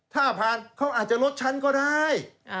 ถ้าผ่านเขาอาจจะลดฉันก็ได้